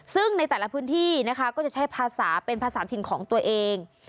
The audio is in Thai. ซึ่งในแต่ละพื้นที่นะคะก็จะใช้ภาษาเป็นภาษาถิ่นของตัวเอง